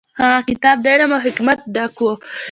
هغه کتاب د علم او حکمت ډک و.